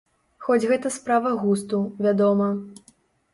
Хоць гэта справа густу, вядома.